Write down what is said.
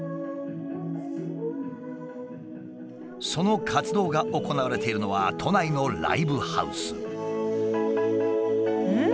その活動が行われているのは都内のライブハウス。